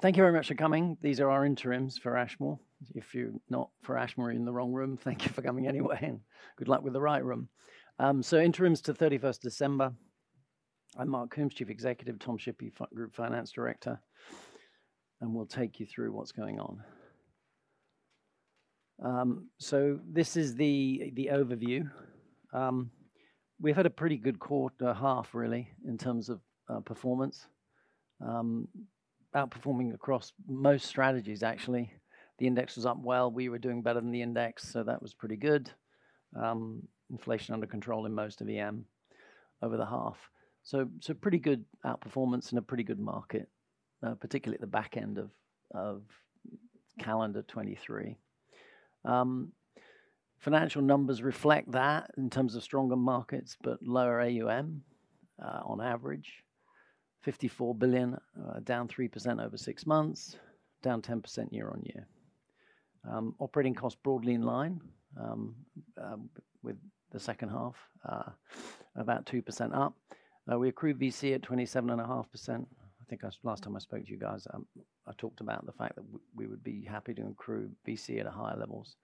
Thank you very much for coming. These are our interims for Ashmore. If you're not for Ashmore, you're in the wrong room. Thank you for coming anyway, and good luck with the right room. Interims to thirty-first December. I'm Mark Coombs, Chief Executive, Tom Shippey, Group Finance Director, and we'll take you through what's going on. This is the overview. We've had a pretty good quarter, half really, in terms of performance. Outperforming across most strategies, actually. The index was up well. We were doing better than the index, so that was pretty good. Inflation under control in most of EM over the half. So pretty good outperformance in a pretty good market, particularly at the back end of calendar 2023. Financial numbers reflect that in terms of stronger markets, but lower AUM, on average. $54 billion, down 3% over six months, down 10% year-on-year. Operating costs broadly in line with the second half, about 2% up. We accrued VC at 27.5%. I think that's. Last time I spoke to you guys, I talked about the fact that we would be happy to accrue VC at higher levels.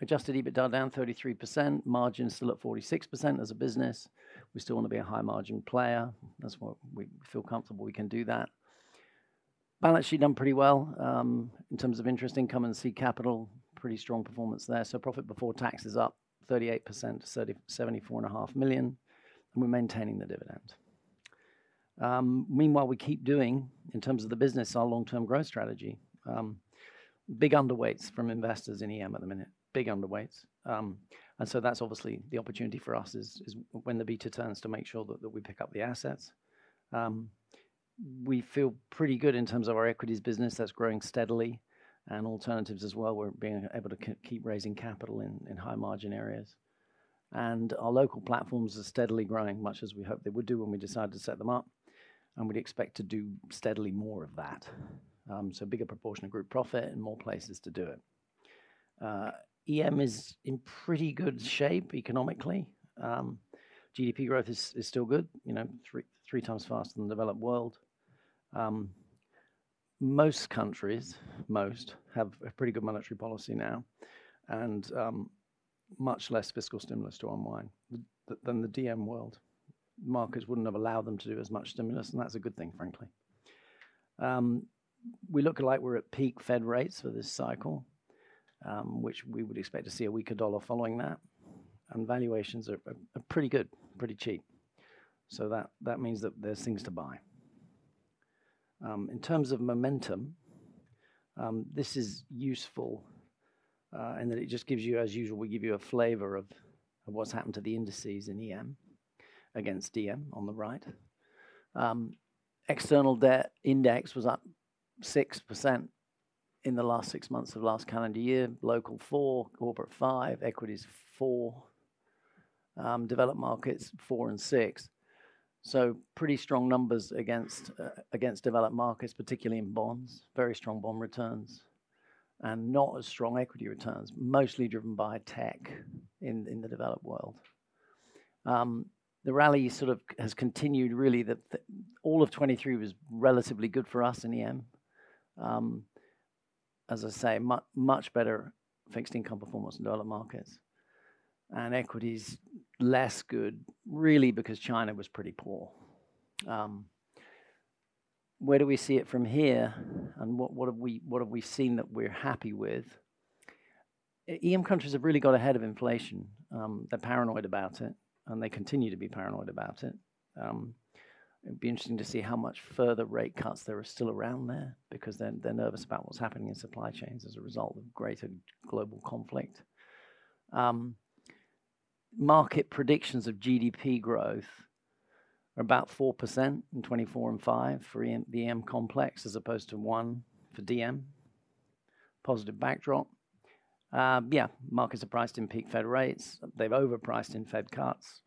Adjusted EBITDA down 33%, margin still at 46% as a business. We still want to be a high-margin player. That's what... We feel comfortable we can do that. Balance sheet done pretty well, in terms of interest income and seed capital, pretty strong performance there. So profit before tax is up 38%, 74.5 million, and we're maintaining the dividend. Meanwhile, we keep doing, in terms of the business, our long-term growth strategy. Big underweights from investors in EM at the minute, big underweights. And so that's obviously the opportunity for us, is when the beta turns to make sure that we pick up the assets. We feel pretty good in terms of our equities business. That's growing steadily and alternatives as well. We're being able to keep raising capital in high-margin areas, and our local platforms are steadily growing, much as we hoped they would do when we decided to set them up, and we'd expect to do steadily more of that. So bigger proportion of group profit and more places to do it. EM is in pretty good shape economically. GDP growth is still good, you know, three times faster than the developed world. Most countries have a pretty good monetary policy now, and much less fiscal stimulus to unwind than the DM world. Markets wouldn't have allowed them to do as much stimulus, and that's a good thing, frankly. We look like we're at peak Fed rates for this cycle, which we would expect to see a weaker dollar following that, and valuations are pretty good, pretty cheap. So that means that there's things to buy. In terms of momentum, this is useful in that it just gives you... As usual, we give you a flavor of what's happened to the indices in EM against DM on the right. External debt index was up 6% in the last six months of last calendar year, local, 4%; corporate, 5%; equities, 4%, developed markets, 4% and 6%. So pretty strong numbers against developed markets, particularly in bonds. Very strong bond returns and not as strong equity returns, mostly driven by tech in the developed world. The rally sort of has continued, really, all of 2023 was relatively good for us in EM. As I say, much better fixed income performance in developed markets and equities, less good, really, because China was pretty poor. Where do we see it from here, and what have we seen that we're happy with? EM countries have really got ahead of inflation. They're paranoid about it, and they continue to be paranoid about it. It'd be interesting to see how much further rate cuts there are still around there because they're nervous about what's happening in supply chains as a result of greater global conflict. Market predictions of GDP growth are about 4% in 2024 and 2025 for EM, the EM complex, as opposed to 1% for DM. Positive backdrop. Yeah, markets are priced in peak Fed rates. They've overpriced in Fed cuts,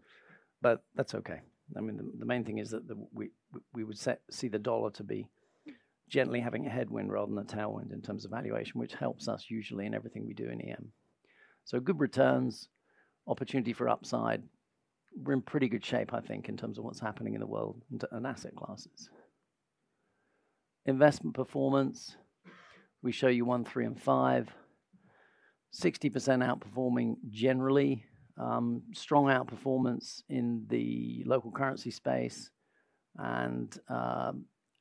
but that's okay. I mean, the main thing is that we would see the dollar to be gently having a headwind rather than a tailwind in terms of valuation, which helps us usually in everything we do in EM. So good returns, opportunity for upside. We're in pretty good shape, I think, in terms of what's happening in the world and asset classes. Investment performance, we show you 1, 3, and 5. 60% outperforming generally, strong outperformance in the local currency space and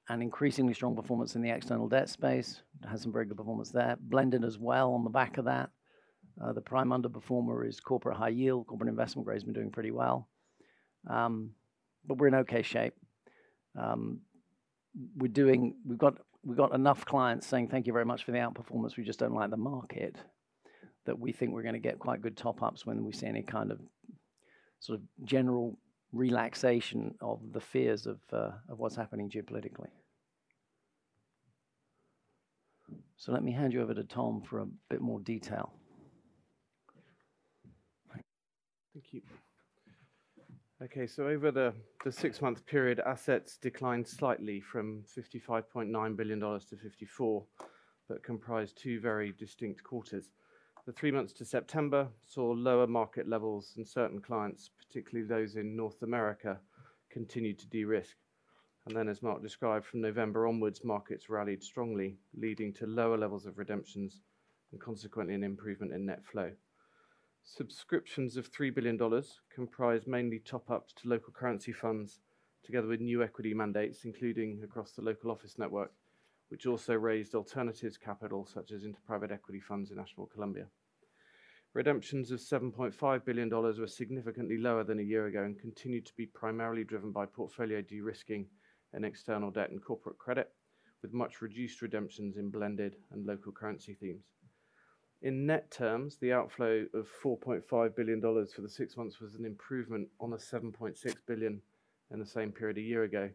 increasingly strong performance in the external debt space. Has some very good performance there. Blend in as well on the back of that. The prime underperformer is corporate high yield. Corporate investment grade's been doing pretty well, but we're in okay shape. We're doing. We've got enough clients saying: "Thank you very much for the outperformance. We just don't like the market," that we think we're gonna get quite good top-ups when we see any kind of sort of general relaxation of the fears of what's happening geopolitically. So let me hand you over to Tom for a bit more detail. Thank you. Okay, so over the six-month period, assets declined slightly from $55.9 billion to $54 billion.... that comprise two very distinct quarters. The three months to September saw lower market levels, and certain clients, particularly those in North America, continued to de-risk. And then, as Mark described, from November onwards, markets rallied strongly, leading to lower levels of redemptions and consequently an improvement in net flow. Subscriptions of $3 billion comprised mainly top-ups to local currency funds, together with new equity mandates, including across the local office network, which also raised alternatives capital, such as into private equity funds in Ashmore Colombia. Redemptions of $7.5 billion were significantly lower than a year ago and continued to be primarily driven by portfolio de-risking and external debt and corporate credit, with much reduced redemptions in blended and local currency themes. In net terms, the outflow of $4.5 billion for the six months was an improvement on the $7.6 billion in the same period a year ago.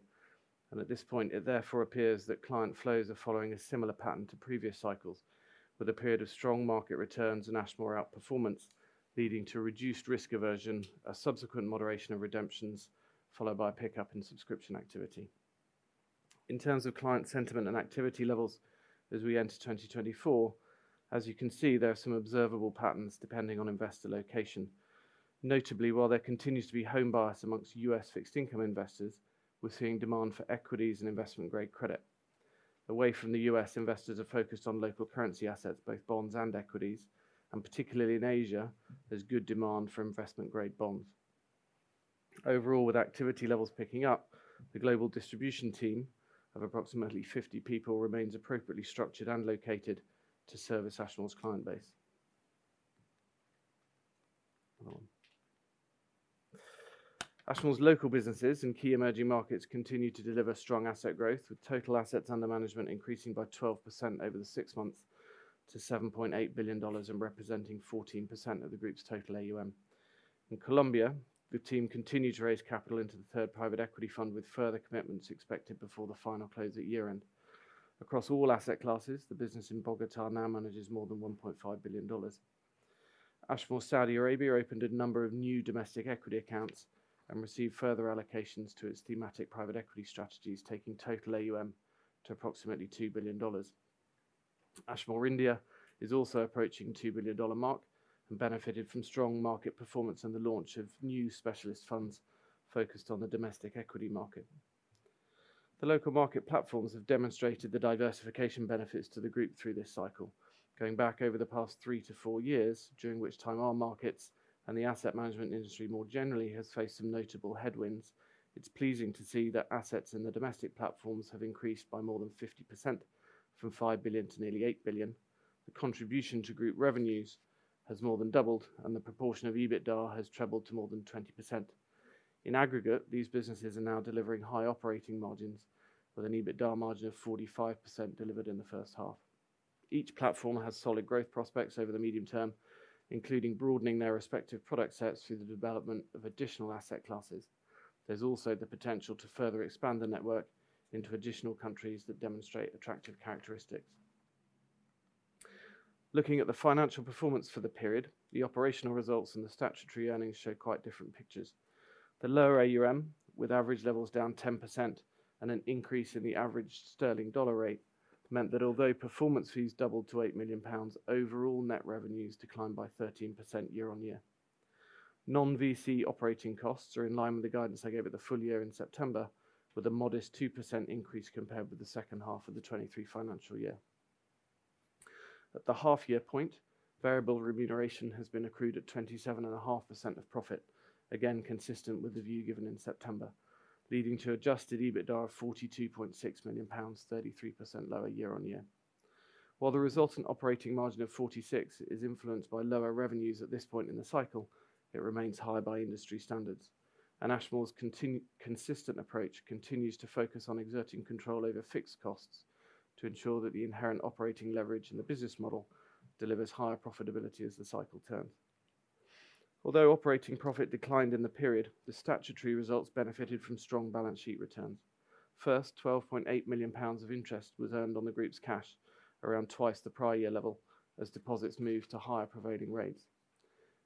At this point, it therefore appears that client flows are following a similar pattern to previous cycles, with a period of strong market returns and Ashmore outperformance leading to reduced risk aversion, a subsequent moderation of redemptions, followed by a pickup in subscription activity. In terms of client sentiment and activity levels as we enter 2024, as you can see, there are some observable patterns depending on investor location. Notably, while there continues to be home bias amongst U.S. fixed income investors, we're seeing demand for equities and investment-grade credit. Away from the U.S., investors are focused on local currency assets, both bonds and equities, and particularly in Asia, there's good demand for investment-grade bonds. Overall, with activity levels picking up, the global distribution team of approximately 50 people remains appropriately structured and located to service Ashmore's client base. Ashmore's local businesses in key emerging markets continue to deliver strong asset growth, with total assets under management increasing by 12% over the six months to $7.8 billion and representing 14% of the group's total AUM. In Colombia, the team continued to raise capital into the third private equity fund, with further commitments expected before the final close at year-end. Across all asset classes, the business in Bogotá now manages more than $1.5 billion. Ashmore Saudi Arabia opened a number of new domestic equity accounts and received further allocations to its thematic private equity strategies, taking total AUM to approximately $2 billion. Ashmore India is also approaching $2 billion mark and benefited from strong market performance and the launch of new specialist funds focused on the domestic equity market. The local market platforms have demonstrated the diversification benefits to the group through this cycle. Going back over the past three to four years, during which time our markets and the asset management industry more generally has faced some notable headwinds, it's pleasing to see that assets in the domestic platforms have increased by more than 50%, from $5 billion to nearly $8 billion. The contribution to group revenues has more than doubled, and the proportion of EBITDA has trebled to more than 20%. In aggregate, these businesses are now delivering high operating margins, with an EBITDA margin of 45% delivered in the first half. Each platform has solid growth prospects over the medium term, including broadening their respective product sets through the development of additional asset classes. There's also the potential to further expand the network into additional countries that demonstrate attractive characteristics. Looking at the financial performance for the period, the operational results and the statutory earnings show quite different pictures. The lower AUM, with average levels down 10% and an increase in the average sterling dollar rate, meant that although performance fees doubled to 8 million pounds, overall net revenues declined by 13% year-on-year. Non-VC operating costs are in line with the guidance I gave at the full year in September, with a modest 2% increase compared with the second half of the 2023 financial year. At the half-year point, variable remuneration has been accrued at 27.5% of profit, again, consistent with the view given in September, leading to adjusted EBITDA of 42.6 million pounds, 33% lower year-on-year. While the resultant operating margin of 46% is influenced by lower revenues at this point in the cycle, it remains high by industry standards, and Ashmore's consistent approach continues to focus on exerting control over fixed costs to ensure that the inherent operating leverage in the business model delivers higher profitability as the cycle turns. Although operating profit declined in the period, the statutory results benefited from strong balance sheet returns. First, 12.8 million pounds of interest was earned on the group's cash, around twice the prior year level, as deposits moved to higher prevailing rates.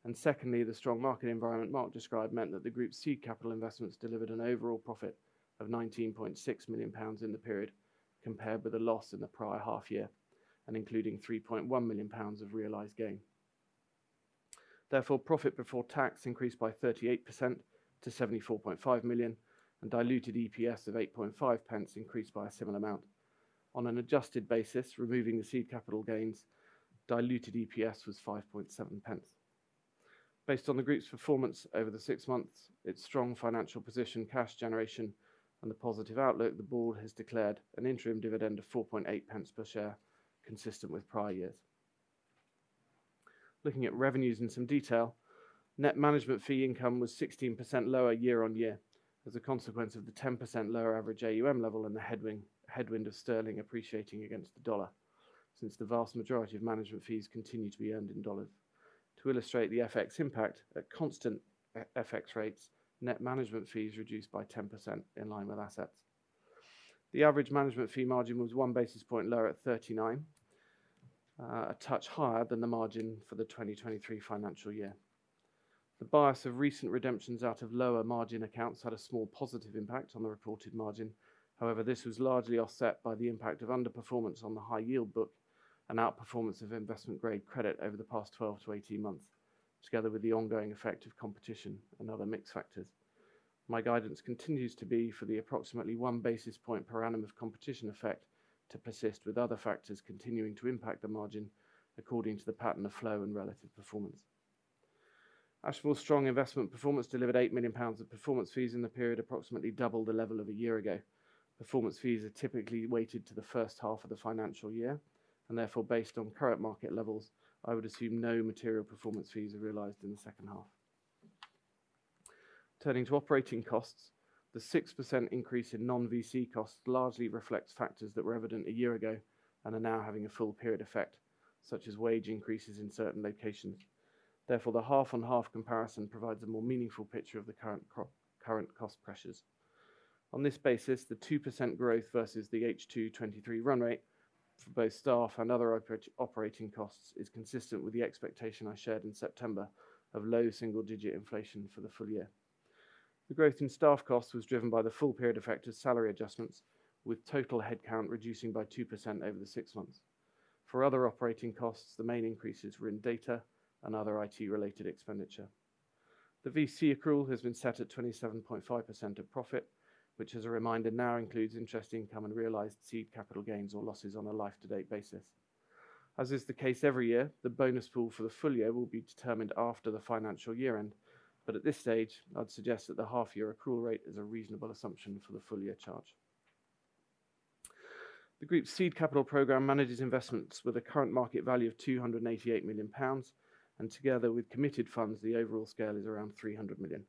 And secondly, the strong market environment Mark described meant that the group's seed capital investments delivered an overall profit of GBP 19.6 million in the period, compared with a loss in the prior half year and including GBP 3.1 million of realized gain. Therefore, profit before tax increased by 38% to 74.5 million, and diluted EPS of 0.085 increased by a similar amount. On an adjusted basis, removing the seed capital gains, diluted EPS was 0.057. Based on the group's performance over the six months, its strong financial position, cash generation, and the positive outlook, the board has declared an interim dividend of 0.048 per share, consistent with prior years. Looking at revenues in some detail, net management fee income was 16% lower year-on-year as a consequence of the 10% lower average AUM level and the headwind of sterling appreciating against the dollar, since the vast majority of management fees continue to be earned in dollars. To illustrate the FX impact, at constant FX rates, net management fees reduced by 10%, in line with assets. The average management fee margin was one basis point lower at 39, a touch higher than the margin for the 2023 financial year. The bias of recent redemptions out of lower margin accounts had a small positive impact on the reported margin. However, this was largely offset by the impact of underperformance on the high yield book and outperformance of investment-grade credit over the past 12-18 months, together with the ongoing effect of competition and other mix factors. My guidance continues to be for the approximately 1 basis point per annum of competition effect to persist, with other factors continuing to impact the margin according to the pattern of flow and relative performance. Ashmore's strong investment performance delivered 8 million pounds of performance fees in the period, approximately double the level of a year ago. Performance fees are typically weighted to the first half of the financial year, and therefore, based on current market levels, I would assume no material performance fees are realized in the second half. Turning to operating costs, the 6% increase in non-VC costs largely reflects factors that were evident a year ago and are now having a full period effect, such as wage increases in certain locations. Therefore, the half-on-half comparison provides a more meaningful picture of the current current cost pressures. On this basis, the 2% growth versus the H2 2023 run rate for both staff and other operating costs is consistent with the expectation I shared in September of low single-digit inflation for the full year. The growth in staff costs was driven by the full period effect of salary adjustments, with total headcount reducing by 2% over the six months. For other operating costs, the main increases were in data and other IT-related expenditure. The VC accrual has been set at 27.5% of profit, which, as a reminder, now includes interest income and realized seed capital gains or losses on a life-to-date basis. As is the case every year, the bonus pool for the full year will be determined after the financial year-end. But at this stage, I'd suggest that the half-year accrual rate is a reasonable assumption for the full-year charge. The group's seed capital program manages investments with a current market value of 288 million pounds, and together with committed funds, the overall scale is around 300 million.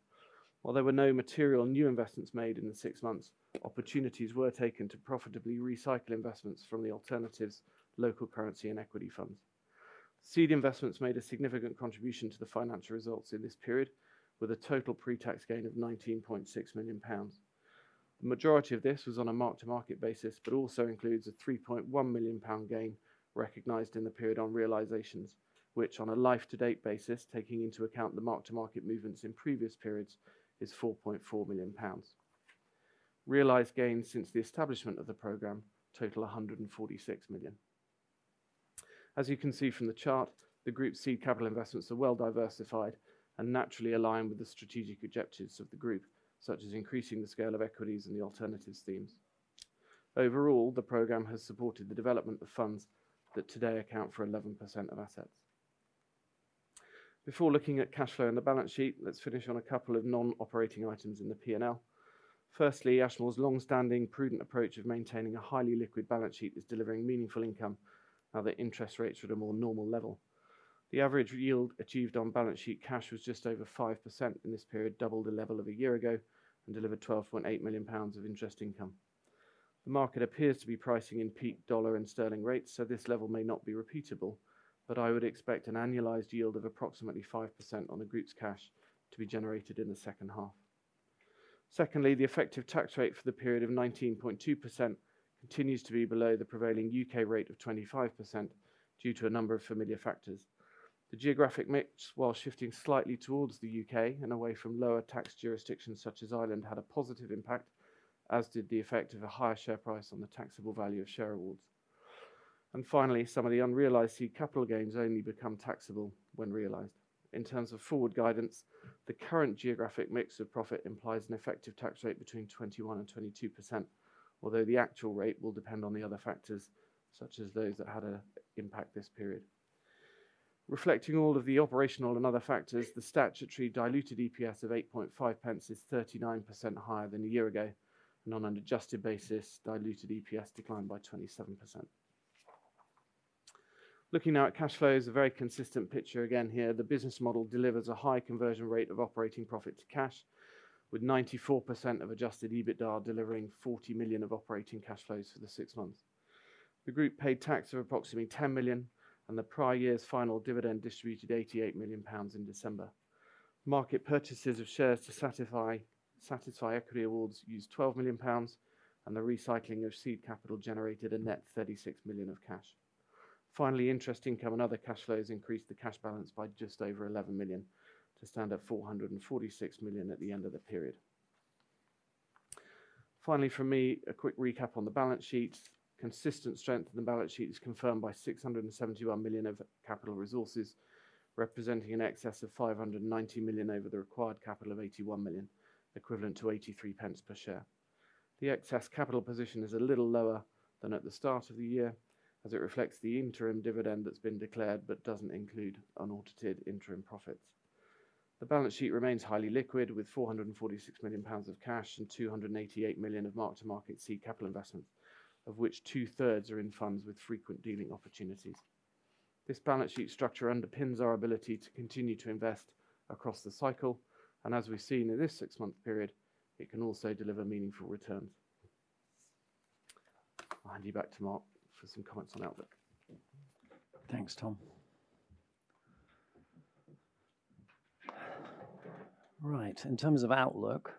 While there were no material new investments made in the six months, opportunities were taken to profitably recycle investments from the alternatives, local currency, and equity funds. Seed investments made a significant contribution to the financial results in this period, with a total pre-tax gain of 19.6 million pounds. The majority of this was on a mark-to-market basis, but also includes a 3.1 million pound gain recognized in the period on realizations, which, on a life-to-date basis, taking into account the mark-to-market movements in previous periods, is 4.4 million pounds. Realized gains since the establishment of the program total 146 million. As you can see from the chart, the group's seed capital investments are well diversified and naturally aligned with the strategic objectives of the group, such as increasing the scale of equities and the alternatives themes. Overall, the program has supported the development of funds that today account for 11% of assets. Before looking at cash flow and the balance sheet, let's finish on a couple of non-operating items in the P&L. Firstly, Ashmore's long-standing prudent approach of maintaining a highly liquid balance sheet is delivering meaningful income now that interest rates are at a more normal level. The average yield achieved on balance sheet cash was just over 5% in this period, double the level of a year ago, and delivered 12.8 million pounds of interest income. The market appears to be pricing in peak dollar and sterling rates, so this level may not be repeatable, but I would expect an annualized yield of approximately 5% on the group's cash to be generated in the second half. Secondly, the effective tax rate for the period of 19.2% continues to be below the prevailing UK rate of 25% due to a number of familiar factors. The geographic mix, while shifting slightly towards the UK and away from lower tax jurisdictions such as Ireland, had a positive impact, as did the effect of a higher share price on the taxable value of share awards. Finally, some of the unrealized seed capital gains only become taxable when realized. In terms of forward guidance, the current geographic mix of profit implies an effective tax rate between 21% and 22%, although the actual rate will depend on the other factors, such as those that had an impact this period. Reflecting all of the operational and other factors, the statutory diluted EPS of 8.5p is 39% higher than a year ago, and on an adjusted basis, diluted EPS declined by 27%. Looking now at cash flows, a very consistent picture again here. The business model delivers a high conversion rate of operating profit to cash, with 94% of adjusted EBITDA delivering 40 million of operating cash flows for the six months. The group paid tax of approximately 10 million, and the prior year's final dividend distributed 88 million pounds in December. Market purchases of shares to satisfy equity awards used 12 million pounds, and the recycling of seed capital generated a net 36 million of cash. Finally, interest income and other cash flows increased the cash balance by just over 11 million, to stand at 446 million at the end of the period. Finally, for me, a quick recap on the balance sheet. Consistent strength in the balance sheet is confirmed by 671 million of capital resources, representing an excess of 590 million over the required capital of 81 million, equivalent to 83p per share. The excess capital position is a little lower than at the start of the year, as it reflects the interim dividend that's been declared but doesn't include unaudited interim profits. The balance sheet remains highly liquid, with 446 million pounds of cash and 288 million of mark-to-market seed capital investments, of which two-thirds are in funds with frequent dealing opportunities. This balance sheet structure underpins our ability to continue to invest across the cycle, and as we've seen in this six-month period, it can also deliver meaningful returns. I'll hand you back to Mark for some comments on outlook. Thanks, Tom. Right. In terms of outlook,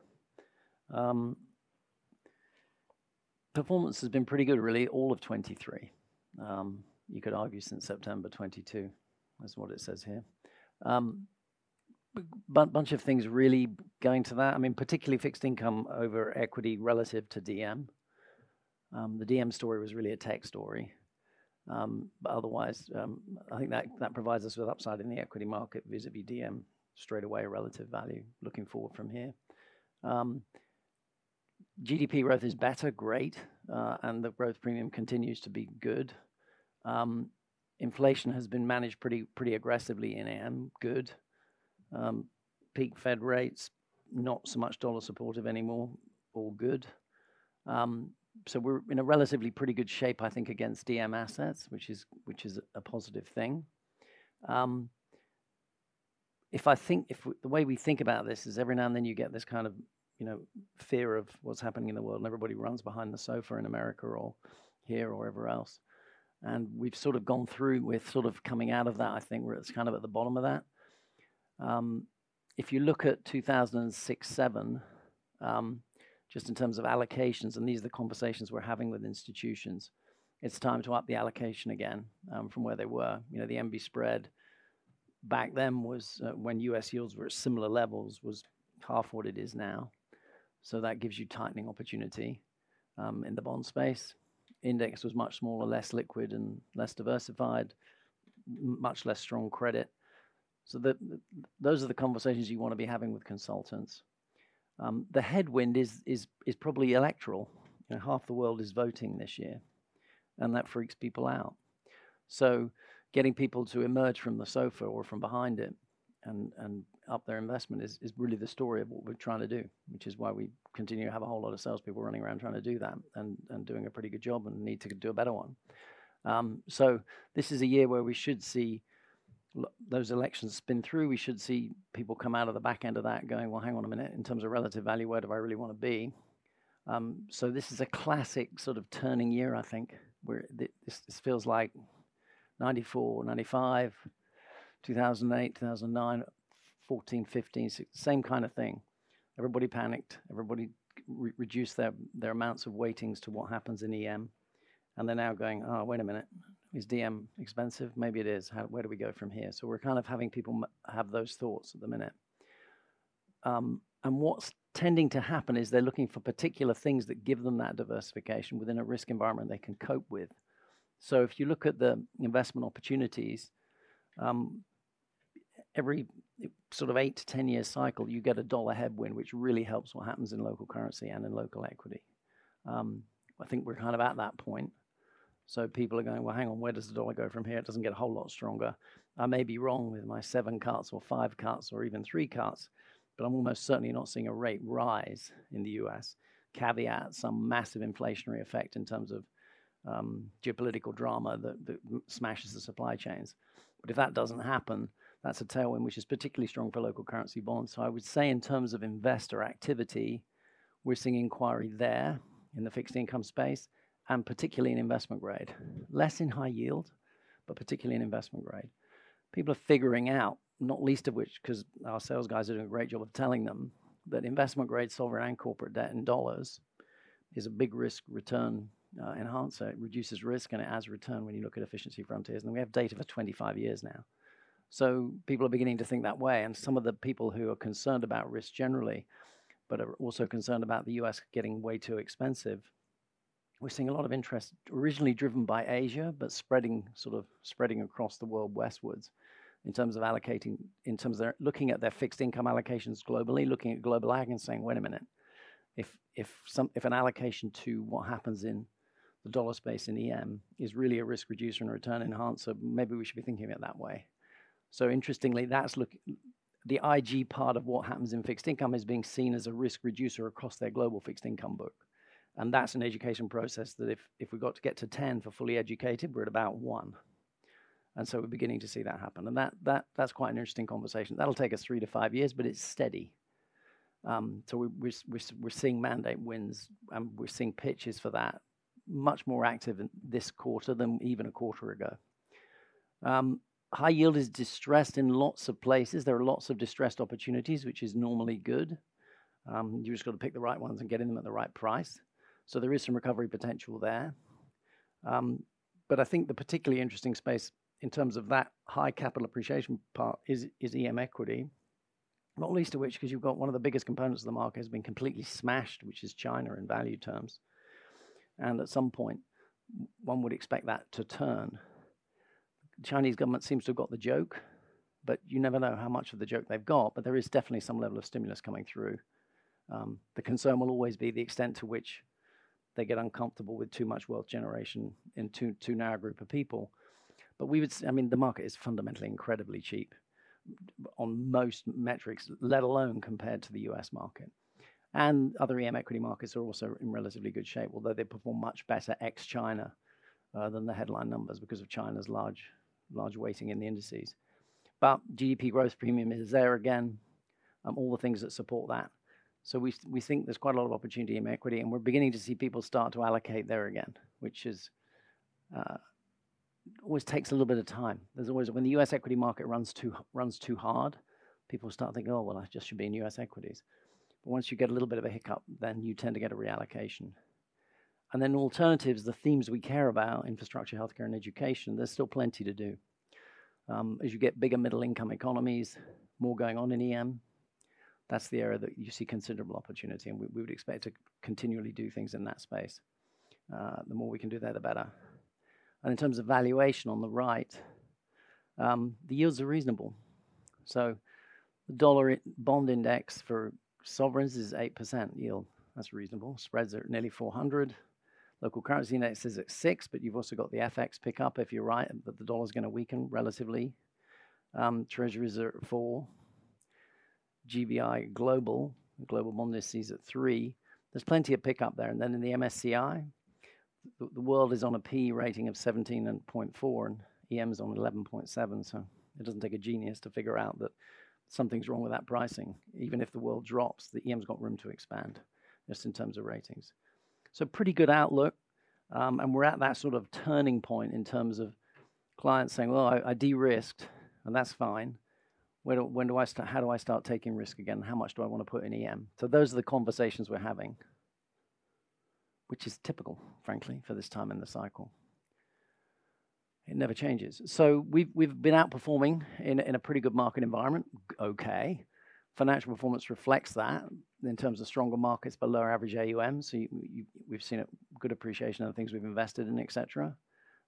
performance has been pretty good, really, all of 2023. You could argue since September 2022, that's what it says here. Bunch of things really going to that. I mean, particularly fixed income over equity relative to DM. The DM story was really a tech story. But otherwise, I think that, that provides us with upside in the equity market, vis-à-vis DM, straight away relative value looking forward from here. GDP growth is better, great, and the growth premium continues to be good. Inflation has been managed pretty, pretty aggressively in EM, good. Peak Fed rates, not so much dollar supportive anymore, all good. So, we're in a relatively pretty good shape, I think, against DM assets, which is, which is a positive thing. If the way we think about this is every now and then you get this kind of, you know, fear of what's happening in the world, and everybody runs behind the sofa in America or here, or wherever else. We've sort of gone through with sort of coming out of that, I think, where it's kind of at the bottom of that. If you look at 2006, 2007, just in terms of allocations, and these are the conversations we're having with institutions, it's time to up the allocation again, from where they were. You know, the EM spread back then was, when U.S. yields were at similar levels, was half what it is now. So that gives you tightening opportunity, in the bond space. Index was much smaller, less liquid and less diversified, much less strong credit. So those are the conversations you want to be having with consultants. The headwind is probably electoral. You know, half the world is voting this year, and that freaks people out. So, getting people to emerge from the sofa or from behind it and up their investment is really the story of what we're trying to do, which is why we continue to have a whole lot of salespeople running around trying to do that, and doing a pretty good job and need to do a better one. So, this is a year where we should see those elections spin through. We should see people come out of the back end of that going: "Well, hang on a minute, in terms of relative value, where do I really want to be?" So, this is a classic sort of turning year, I think, where this feels like 1994, 1995, 2008, 2009, 2014, 2015, 2016. Same kind of thing. Everybody panicked, everybody reduced their amounts of weightings to what happens in EM, and they're now going: "Oh, wait a minute, is DM expensive? Maybe it is. How, where do we go from here?" So, we're kind of having people have those thoughts at the minute. And what's tending to happen is they're looking for particular things that give them that diversification within a risk environment they can cope with. So if you look at the investment opportunities, every sort of 8-10-year cycle, you get a dollar headwind, which really helps what happens in local currency and in local equity. I think we're kind of at that point. So, people are going: "Well, hang on, where does the dollar go from here? It doesn't get a whole lot stronger." I may be wrong with my 7 cuts or 5 cuts or even 3 cuts, but I'm almost certainly not seeing a rate rise in the U.S. Caveat, some massive inflationary effect in terms of, geopolitical drama that smashes the supply chains. But if that doesn't happen, that's a tailwind which is particularly strong for local currency bonds. So, I would say in terms of investor activity, we're seeing inquiry there in the fixed income space, and particularly in investment grade. Less in high yield, but particularly in investment grade. People are figuring out, not least of which because our sales guys are doing a great job of telling them, that investment grade sovereign and corporate debt in dollars is a big risk return enhancer. It reduces risk, and it adds return when you look at efficiency frontiers, and we have data for 25 years now. So people are beginning to think that way, and some of the people who are concerned about risk generally, but are also concerned about the U.S. getting way too expensive. We're seeing a lot of interest originally driven by Asia, but spreading, sort of spreading across the world westwards in terms of allocating in terms of their looking at their fixed income allocations globally, looking at Global Agg and saying: "Wait a minute, if an allocation to what happens in the dollar space in EM is really a risk reducer and a return enhancer, maybe we should be thinking about it that way." So interestingly, the IG part of what happens in fixed income is being seen as a risk reducer across their global fixed income book. And that's an education process that if we got to get to 10 for fully educated, we're at about 1. And so we're beginning to see that happen, and that, that's quite an interesting conversation. That'll take us 3-5 years, but it's steady. So we're seeing mandate wins, and we're seeing pitches for that much more active in this quarter than even a quarter ago. High yield is distressed in lots of places. There are lots of distressed opportunities, which is normally good. You've just got to pick the right ones and get them at the right price. So there is some recovery potential there. But I think the particularly interesting space in terms of that high capital appreciation part is EM equity, not least of which, because you've got one of the biggest components of the market has been completely smashed, which is China, in value terms. And at some point, one would expect that to turn. Chinese government seems to have got the joke, but you never know how much of the joke they've got, but there is definitely some level of stimulus coming through. The concern will always be the extent to which they get uncomfortable with too much wealth generation in too narrow a group of people. But we would—I mean, the market is fundamentally incredibly cheap on most metrics, let alone compared to the U.S. market. And other EM equity markets are also in relatively good shape, although they perform much better ex-China than the headline numbers, because of China's large weighting in the indices. But GDP growth premium is there again, all the things that support that. So, we think there's quite a lot of opportunity in equity, and we're beginning to see people start to allocate there again, which is... Always takes a little bit of time. There's always, when the U.S. equity market runs too hard, people start thinking: "Oh, well, I just should be in U.S. equities." But once you get a little bit of a hiccup, then you tend to get a reallocation. And then alternatives, the themes we care about, infrastructure, healthcare, and education, there's still plenty to do. As you get bigger middle-income economies, more going on in EM, that's the area that you see considerable opportunity, and we, we would expect to continually do things in that space. The more we can do there, the better. And in terms of valuation on the right, the yields are reasonable. So, the dollar EMBI for sovereigns is 8% yield. That's reasonable. Spreads are nearly 400. Local currency index is at 6, but you've also got the FX pickup if you're right that the dollar's gonna weaken relatively. Treasuries are at 4. GBI Global, Global Bond Index is at 3. There's plenty of pickup there. And then in the MSCI, the world is on a P/E rating of 17.4, and EM is on 11.7, so it doesn't take a genius to figure out that something's wrong with that pricing. Even if the world drops, the EM's got room to expand, just in terms of ratings. So pretty good outlook, and we're at that sort of turning point in terms of clients saying: "Well, I de-risked," and that's fine. "Where do, when do I start - How do I start taking risk again? How much do I want to put in EM?" So those are the conversations we're having, which is typical, frankly, for this time in the cycle. It never changes. So, we've been outperforming in a pretty good market environment. Okay. Financial performance reflects that in terms of stronger markets but lower average AUMs. So, we've seen a good appreciation of the things we've invested in, et cetera.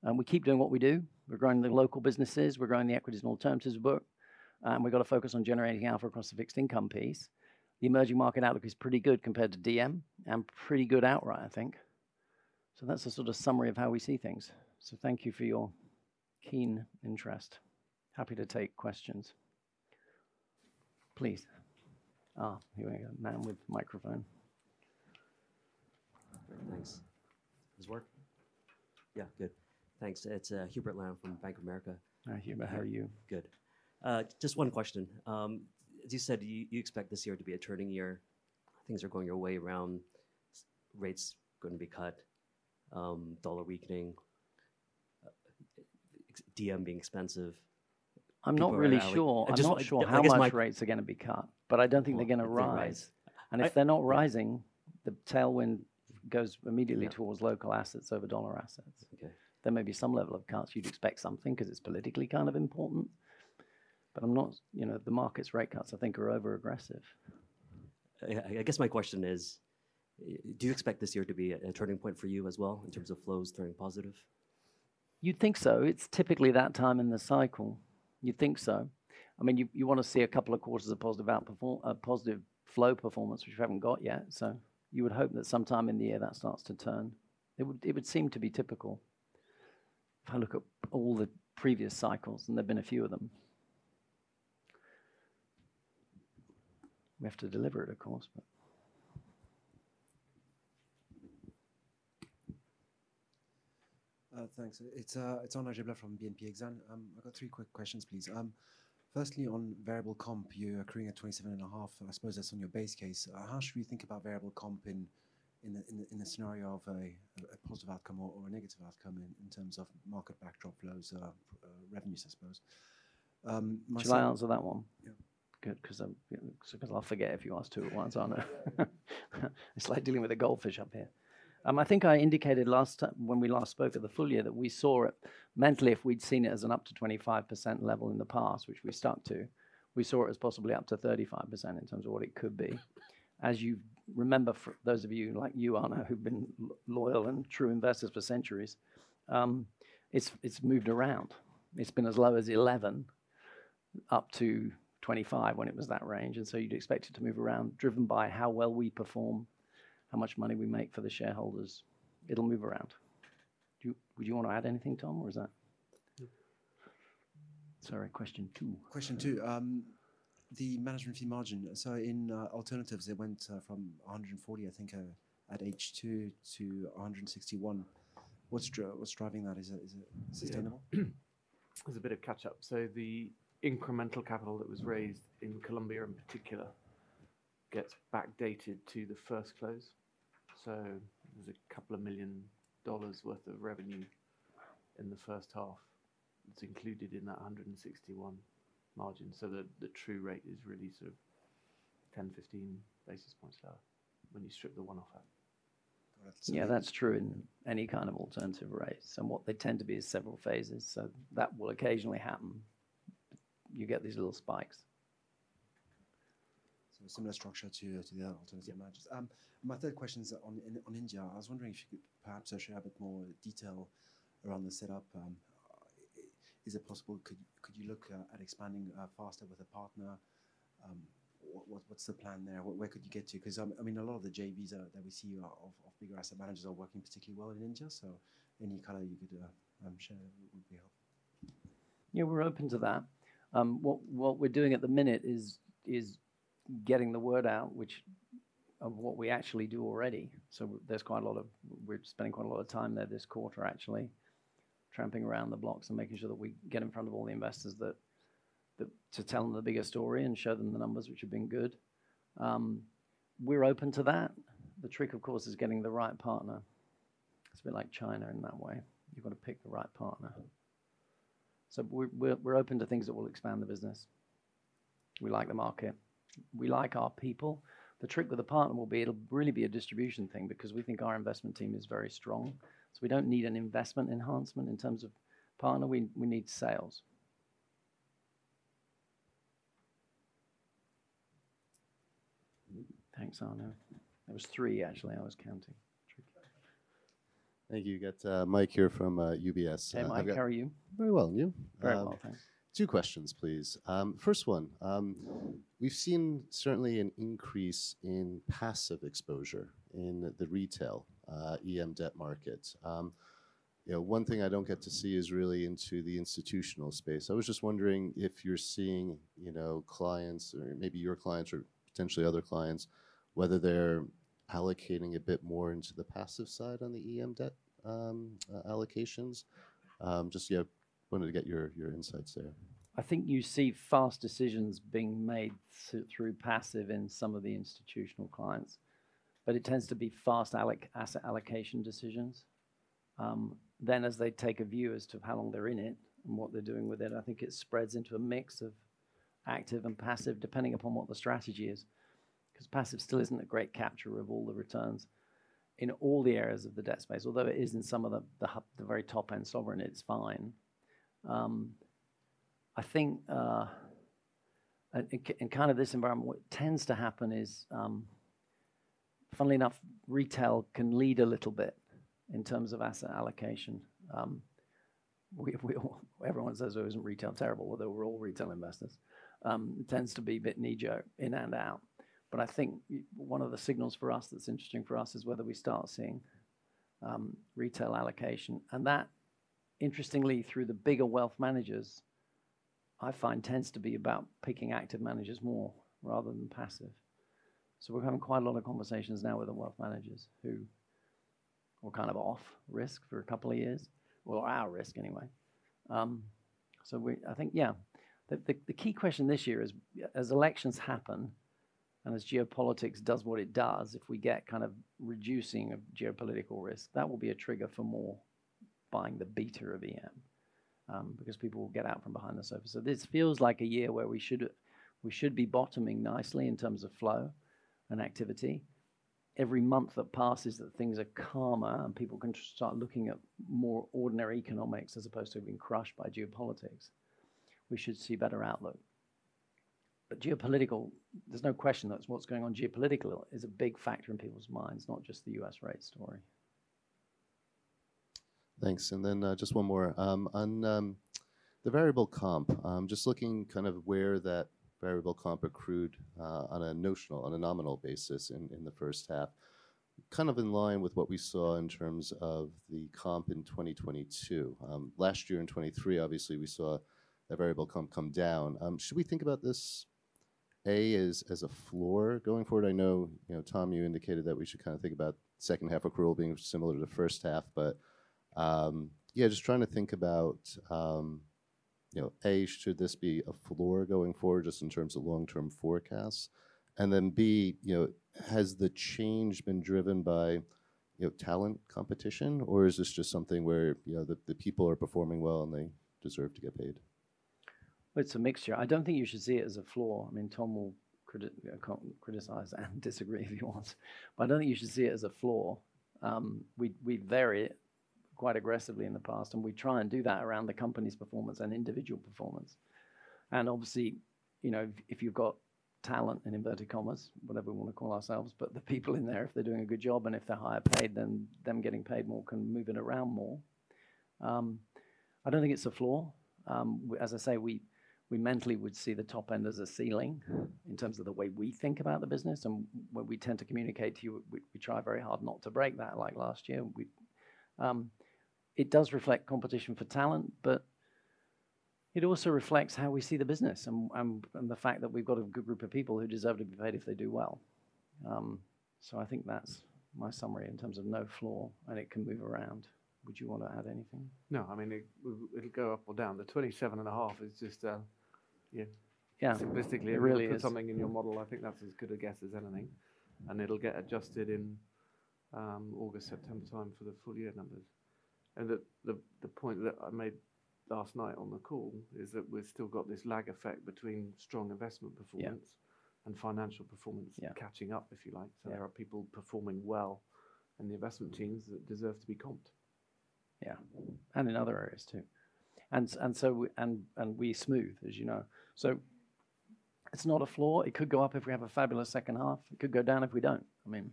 And we keep doing what we do. We're growing the local businesses, we're growing the equities and alternatives book, and we've got to focus on generating alpha across the fixed income piece. The emerging market outlook is pretty good compared to DM, and pretty good outright, I think. So that's a sort of summary of how we see things. So, thank you for your keen interest. Happy to take questions. Please. Ah, here we go. Man with the microphone. Thanks. Does this work? Yeah, good. Thanks. It's, Hubert Lam from Bank of America. Hi, Hubert. How are you? Good. Just one question. As you said, you expect this year to be a turning year. Things are going your way around, rates are going to be cut, dollar weakening, DM being expensive. I'm not really sure. I just- I'm not sure how much rates are gonna be cut, but I don't think they're gonna rise. If they're not rising, the tailwind goes immediately. Yeah... towards local assets over dollar assets. Okay. There may be some level of cuts. You'd expect something cause it's politically kind of important, but I'm not... You know, the market's rate cuts, I think, are overaggressive. I guess my question is: Do you expect this year to be a turning point for you as well in terms of flows turning positive? You'd think so. It's typically that time in the cycle. You'd think so. I mean, you want to see a couple of quarters of positive flow performance, which we haven't got yet, so you would hope that sometime in the year that starts to turn. It would seem to be typical if I look at all the previous cycles, and there have been a few of them. We have to deliver it, of course. Thanks. It's Arnaud Giblat from BNP Paribas Exane. I've got three quick questions, please. Firstly, on variable comp, you're accruing at 27.5%, and I suppose that's on your base case. How should we think about variable comp in the scenario of a positive outcome or a negative outcome in terms of market backdrop lows, revenues, I suppose? My- Should I answer that one? Yeah. Good, cause I'm... cause I'll forget if you ask two at once, Arnaud. It's like dealing with a goldfish up here. I think I indicated last time, when we last spoke at the full year, that we saw it... Mentally, if we'd seen it as an up to 25% level in the past, which we stuck to, we saw it as possibly up to 35% in terms of what it could be. As you remember, for those of you, like you, Arnaud, who've been loyal and true investors for centuries, it's, it's moved around. It's been as low as 11%, up to 25% when it was that range, and so you'd expect it to move around, driven by how well we perform, how much money we make for the shareholders. It'll move around. Would you want to add anything, Tom, or is that? No. Sorry, question two. Question two, the management fee margin. So in alternatives, it went from 140, I think, at H2 to 161. What's driving that? Is it sustainable? Yeah. There's a bit of catch-up. So the incremental capital that was raised- Mm-hmm... in Colombia in particular, gets backdated to the first close. So there's $2 million worth of revenue in the first half. It's included in that 161 margin, so the true rate is really sort of 10-15 basis points lower when you strip the one-off out. Yeah, that's true in any kind of alternative rates, and what they tend to be is several phases, so that will occasionally happen. You get these little spikes. A similar structure to the other alternative managers. Yeah. My third question is on India. I was wondering if you could perhaps shed a bit more detail around the setup. Is it possible? Could you look at expanding faster with a partner? What’s the plan there? Where could you get to? 'Cause, I mean, a lot of the JVs that we see are of bigger asset managers are working particularly well in India, so any color you could share would be helpful. Yeah, we're open to that. What we're doing at the minute is getting the word out, which of what we actually do already. So there's quite a lot of. We're spending quite a lot of time there this quarter, actually, tramping around the blocks and making sure that we get in front of all the investors to tell them the bigger story and show them the numbers, which have been good. We're open to that. The trick, of course, is getting the right partner. It's a bit like China in that way. You've got to pick the right partner. So we're open to things that will expand the business. We like the market. We like our people. The trick with the partner will be, it'll really be a distribution thing because we think our investment team is very strong, so we don't need an investment enhancement in terms of partner. We, we need sales. Thanks, Arnaud. That was three, actually, I was counting. Tricky. Thank you. You got Mike here from UBS. Hey, Mike, how are you? Very well, and you? Very well, thanks. Two questions, please. First one, we've seen certainly an increase in passive exposure in the retail, EM debt markets. You know, one thing I don't get to see is really into the institutional space. I was just wondering if you're seeing, you know, clients or maybe your clients or potentially other clients, whether they're allocating a bit more into the passive side on the EM debt, allocations. Just, yeah, wanted to get your, your insights there. I think you see fast decisions being made through passive in some of the institutional clients, but it tends to be fast asset allocation decisions. Then as they take a view as to how long they're in it and what they're doing with it, I think it spreads into a mix of active and passive, depending upon what the strategy is. 'Cause passive still isn't a great capture of all the returns in all the areas of the debt space. Although it is in some of the, the very top-end sovereign, it's fine. I think in kind of this environment, what tends to happen is, funnily enough, retail can lead a little bit in terms of asset allocation. Everyone says, "Oh, isn't retail terrible?" Although we're all retail investors. It tends to be a bit knee-jerk, in and out. But I think one of the signals for us that's interesting for us is whether we start seeing retail allocation. And that, interestingly, through the bigger wealth managers, I find, tends to be about picking active managers more rather than passive. So we're having quite a lot of conversations now with the wealth managers who were kind of off risk for a couple of years, or our risk anyway. So I think, yeah, the key question this year is, as elections happen and as geopolitics does what it does, if we get kind of reducing of geopolitical risk, that will be a trigger for more buying the beta of EM, because people will get out from behind the surface. So this feels like a year where we should, we should be bottoming nicely in terms of flow and activity. Every month that passes that things are calmer and people can start looking at more ordinary economics as opposed to being crushed by geopolitics, we should see better outlook. But geopolitical, there's no question that what's going on geopolitically is a big factor in people's minds, not just the U.S. rate story. Thanks. And then, just one more. On the variable comp, just looking kind of where that variable comp accrued, on a nominal basis in the first half, kind of in line with what we saw in terms of the comp in 2022. Last year in 2023, obviously, we saw a variable comp come down. Should we think about this, A, as a floor going forward? I know, you know, Tom, you indicated that we should kind of think about second half accrual being similar to the first half, but... Yeah, just trying to think about, you know, A, should this be a floor going forward just in terms of long-term forecasts? And then, B, you know, has the change been driven by, you know, talent, competition, or is this just something where, you know, the people are performing well and they deserve to get paid? It's a mixture. I don't think you should see it as a floor. I mean, Tom will criticize and disagree if he wants, but I don't think you should see it as a floor. We varied quite aggressively in the past, and we try and do that around the company's performance and individual performance. And obviously, you know, if you've got talent, in inverted commas, whatever we want to call ourselves, but the people in there, if they're doing a good job, and if they're higher paid, then them getting paid more can move it around more. I don't think it's a floor. As I say, we mentally would see the top end as a ceiling in terms of the way we think about the business and where we tend to communicate to you. We try very hard not to break that, like last year. It does reflect competition for talent, but it also reflects how we see the business and the fact that we've got a good group of people who deserve to be paid if they do well. So I think that's my summary in terms of no floor, and it can move around. Would you want to add anything? No, I mean, it'll go up or down. The 27.5 is just, yeah- Yeah... simplistically- It really is. ...put something in your model, I think that's as good a guess as anything, and it'll get adjusted in August, September time for the full year numbers. The point that I made last night on the call is that we've still got this lag effect between strong investment performance- Yeah... and financial performance- Yeah... catching up, if you like. Yeah. There are people performing well in the investment teams that deserve to be comped. Yeah, and in other areas, too. And so we smooth, as you know. So it's not a floor. It could go up if we have a fabulous second half. It could go down if we don't. I mean,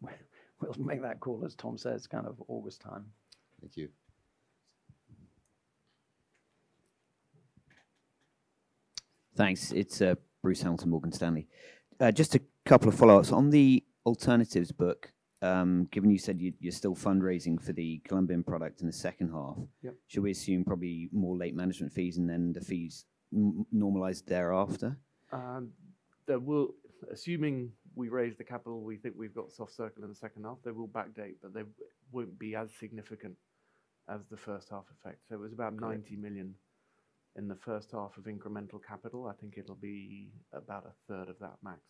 we'll make that call, as Tom says, kind of August time. Thank you. Thanks. It's Bruce Hamilton, Morgan Stanley. Just a couple of follow-ups. On the alternatives book, given you said you're still fundraising for the Colombian product in the second half- Yep... should we assume probably more late management fees and then the fees normalize thereafter? There will, assuming we raise the capital, we think we've got soft circle in the second half. They will backdate, but they won't be as significant as the first half effect. So it was about 90 million in the first half of incremental capital. I think it'll be about a third of that max.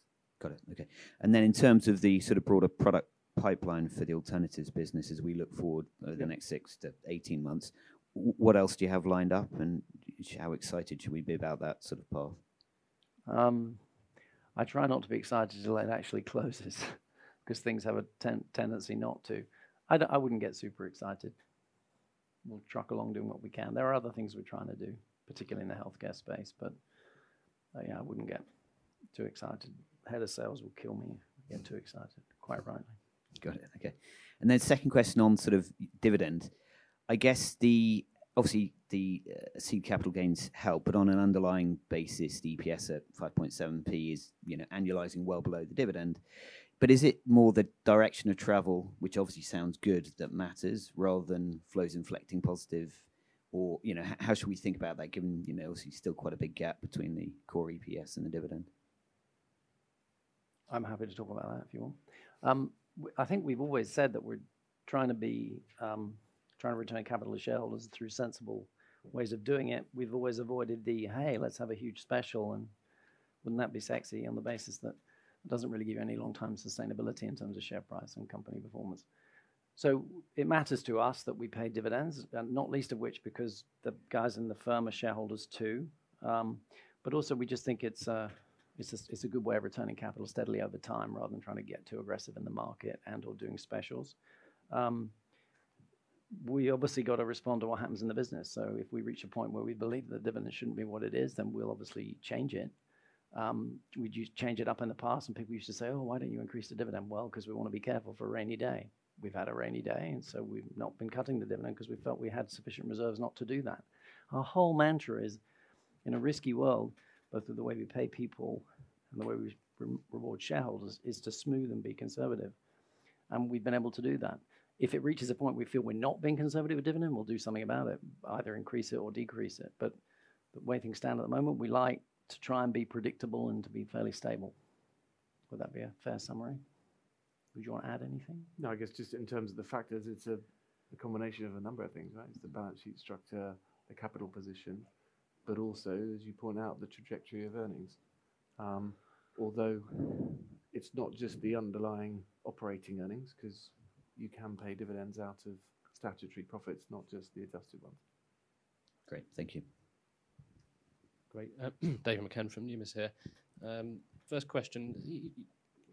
Got it. Okay. And then in terms of the sort of broader product pipeline for the alternatives business as we look forward- Yeah... over the next 6-18 months, what else do you have lined up, and how excited should we be about that sort of path? I try not to be excited until it actually closes, cause things have a tendency not to. I wouldn't get super excited. We'll truck along, doing what we can. There are other things we're trying to do, particularly in the healthcare space. But, yeah, I wouldn't get too excited. Head of sales will kill me if I get too excited, quite rightly. Got it. Okay. And then second question on sort of dividend. I guess the obviously, the seed capital gains help, but on an underlying basis, the EPS at 5.7p is, you know, annualizing well below the dividend. But is it more the direction of travel, which obviously sounds good, that matters, rather than flows inflecting positive or... You know, how should we think about that, given, you know, obviously still quite a big gap between the core EPS and the dividend? I'm happy to talk about that if you want. I think we've always said that we're trying to return capital to shareholders through sensible ways of doing it. We've always avoided the, "Hey, let's have a huge special, and wouldn't that be sexy?" On the basis that it doesn't really give you any long-term sustainability in terms of share price and company performance. So it matters to us that we pay dividends, and not least of which because the guys in the firm are shareholders too. But also we just think it's a good way of returning capital steadily over time, rather than trying to get too aggressive in the market and/or doing specials. We obviously got to respond to what happens in the business. So if we reach a point where we believe the dividend shouldn't be what it is, then we'll obviously change it. We'd change it up in the past, and people used to say, "Oh, why don't you increase the dividend?" Well, cause we wanna be careful for a rainy day. We've had a rainy day, and so we've not been cutting the dividend cause we felt we had sufficient reserves not to do that. Our whole mantra is: in a risky world, both of the way we pay people and the way we reward shareholders, is to smooth and be conservative, and we've been able to do that. If it reaches a point we feel we're not being conservative with dividend, we'll do something about it, either increase it or decrease it. But the way things stand at the moment, we like to try and be predictable and to be fairly stable. Would that be a fair summary? Would you want to add anything? No, I guess just in terms of the factors, it's a combination of a number of things, right? It's the balance sheet structure, the capital position, but also, as you point out, the trajectory of earnings. Although it's not just the underlying operating earnings, cause you can pay dividends out of statutory profits, not just the adjusted ones. Great. Thank you. Great. David McCann from Numis here. First question,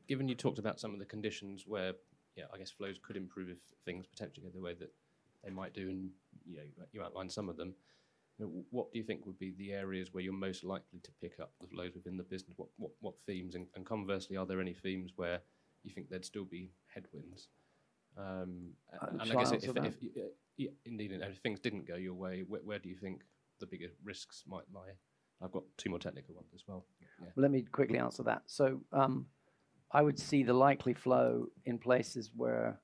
given you talked about some of the conditions where, yeah, I guess flows could improve if things potentially go the way that they might do, and, you know, you outlined some of them. What do you think would be the areas where you're most likely to pick up the flows within the business? What, what, what themes? And, and conversely, are there any themes where you think there'd still be headwinds? And I guess- I'll answer that. Yeah, indeed, and if things didn't go your way, where, where do you think the bigger risks might lie? I've got two more technical ones as well. Yeah. Let me quickly answer that. So, I would see the likely flow in places where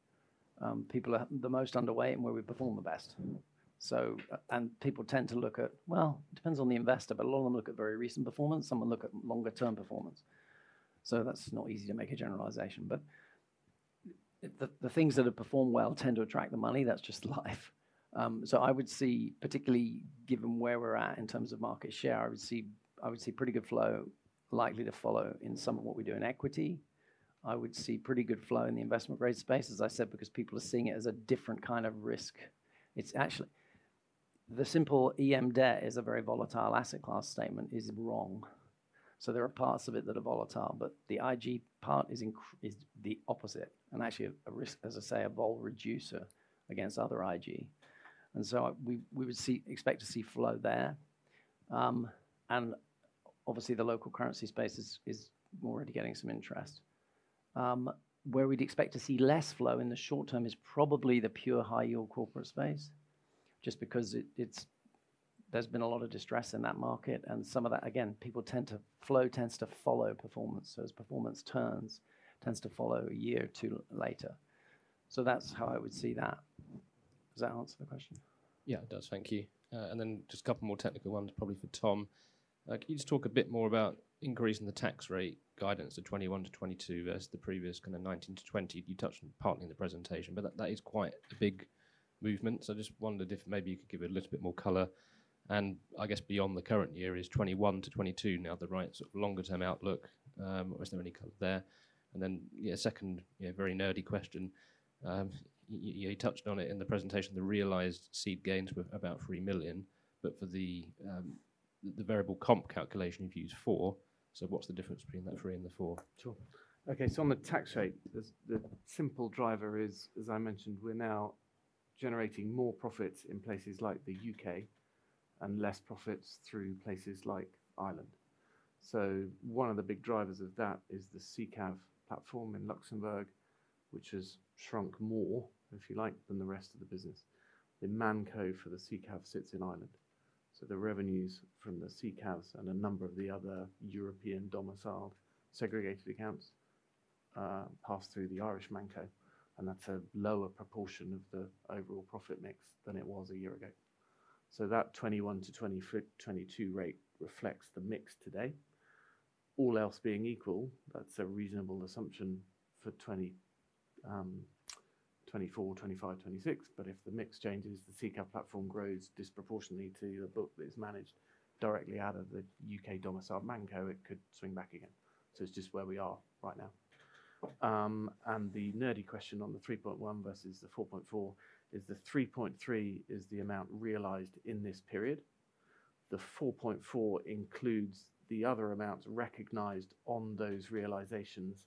people are the most underway and where we perform the best. And people tend to look at, well, it depends on the investor, but a lot of them look at very recent performance. Some will look at longer term performance, so that's not easy to make a generalization. But the things that have performed well tend to attract the money. That's just life. So, I would see, particularly given where we're at in terms of market share, I would see pretty good flow likely to follow in some of what we do in equity. I would see pretty good flow in the investment grade space, as I said, because people are seeing it as a different kind of risk. It's actually... The simple EM debt is a very volatile asset class statement is wrong. So there are parts of it that are volatile, but the IG part is the opposite, and actually a risk, as I say, a vol reducer against other IG. And so we would expect to see flow there. And obviously the local currency space is already getting some interest. Where we'd expect to see less flow in the short term is probably the pure high yield corporate space, just because it's there's been a lot of distress in that market and some of that, again, flow tends to follow performance. So as performance turns, tends to follow a year or two later. So that's how I would see that. Does that answer the question? Yeah, it does. Thank you. And then just a couple more technical ones, probably for Tom. Can you just talk a bit more about increase in the tax rate guidance to 21%-22% versus the previous kind of 19%-20%? You touched on partly in the presentation, but that is quite a big movement. So I just wondered if maybe you could give it a little bit more color. And I guess beyond the current year is 21%-22% now the right sort of longer-term outlook, or is there any color there? And then, yeah, second, yeah, very nerdy question. You touched on it in the presentation, the realized seed gains were about 3 million, but for the variable comp calculation, you've used 4 million. So what's the difference between the three and the four? Sure. Okay, so on the tax rate, the simple driver is, as I mentioned, we're now generating more profits in places like the U.K. and less profits through places like Ireland. So one of the big drivers of that is the SICAV platform in Luxembourg, which has shrunk more, if you like, than the rest of the business. The Manco for the SICAV sits in Ireland, so the revenues from the SICAVs and a number of the other European-domiciled segregated accounts-... pass through the Irish Manco, and that's a lower proportion of the overall profit mix than it was a year ago. So that 21-22 rate reflects the mix today. All else being equal, that's a reasonable assumption for 2024, 2025, 2026. But if the mix changes, the CCAV platform grows disproportionately to the book that is managed directly out of the UK domiciled Manco, it could swing back again. So it's just where we are right now. And the nerdy question on the 3.1 versus the 4.4, is the 3.3 is the amount realized in this period. The 4.4 includes the other amounts recognized on those realizations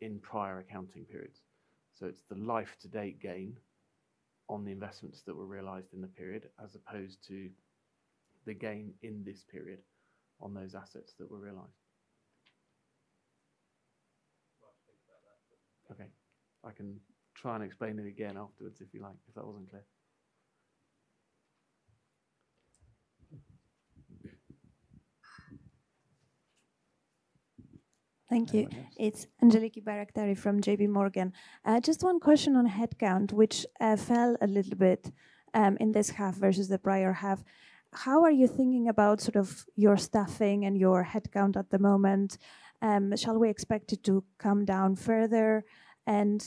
in prior accounting periods. It's the life-to-date gain on the investments that were realized in the period, as opposed to the gain in this period on those assets that were realized. Well, I think about that. Okay. I can try and explain it again afterwards, if you like, if that wasn't clear. Thank you. Anyone else? It's Angeliki Bairaktari from J.P. Morgan. Just one question on headcount, which fell a little bit in this half versus the prior half. How are you thinking about sort of your staffing and your headcount at the moment? Shall we expect it to come down further? And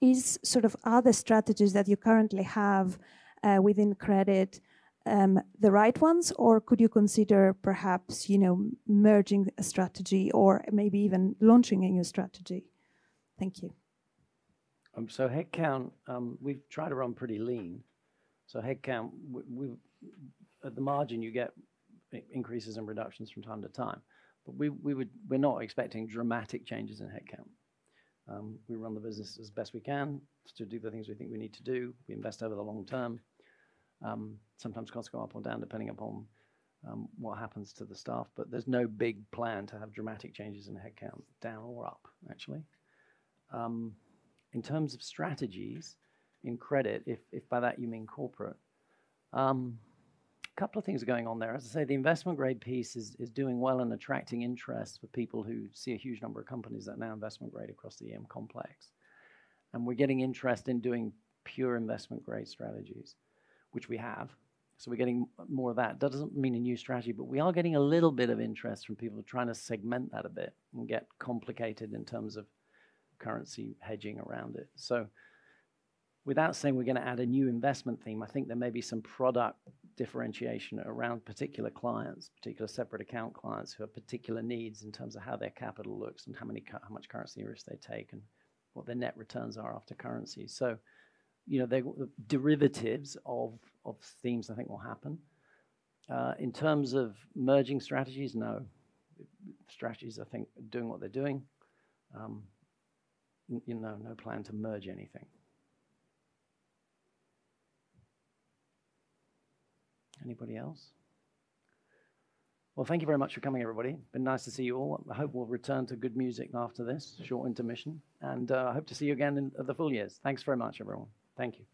is sort of are the strategies that you currently have within credit the right ones, or could you consider perhaps, you know, merging a strategy or maybe even launching a new strategy? Thank you. So, headcount, we've tried to run pretty lean. So headcount, at the margin, you get increases and reductions from time to time. But we're not expecting dramatic changes in headcount. We run the business as best we can to do the things we think we need to do. We invest over the long term. Sometimes costs go up or down, depending upon what happens to the staff, but there's no big plan to have dramatic changes in headcount, down or up, actually. In terms of strategies, in credit, if by that you mean corporate, a couple of things are going on there. As I say, the investment grade piece is doing well and attracting interest for people who see a huge number of companies that are now investment grade across the EM complex. We're getting interest in doing pure investment grade strategies, which we have. So we're getting more of that. That doesn't mean a new strategy, but we are getting a little bit of interest from people trying to segment that a bit and get complicated in terms of currency hedging around it. So without saying we're gonna add a new investment theme, I think there may be some product differentiation around particular clients, particular separate account clients who have particular needs in terms of how their capital looks and how much currency risk they take and what their net returns are after currency. So, you know, the derivatives of themes, I think, will happen. In terms of merging strategies, no. Strategies, I think, are doing what they're doing. No, you know, no plan to merge anything. Anybody else? Well, thank you very much for coming, everybody. Been nice to see you all. I hope we'll return to good music after this short intermission, and..... I hope to see you again in the full years. Thanks very much, everyone. Thank you.